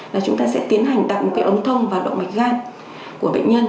là chúng ta sẽ tiến hành tặng cái ống thông vào động mạch gan của bệnh nhân